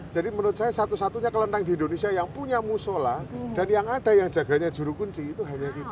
jadi menurut saya satu satunya kelentang di indonesia yang punya musola dan yang ada yang jaganya jurukunci itu hanya kita